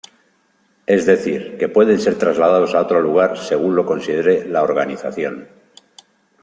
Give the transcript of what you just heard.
Es decir, que pueden ser trasladados a otro lugar según lo considere la organización.